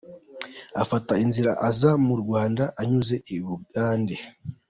Afata inzira aza mu Rwanda anyuze iy’I Bugande.